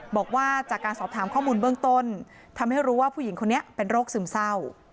บอกว่าจากการสอบถามข้อมูลเบื้องต้นทำให้รู้ว่าผู้หญิงคนนี้เป็นโรคซึมเศร้า